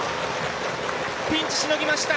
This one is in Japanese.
ピンチ、しのぎました。